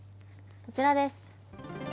こちらです。